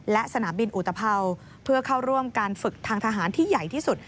และสนามบินอุตภัวร์เพื่อเข้าร่วมการฝึกทางทหารที่ใหญ่ที่สุด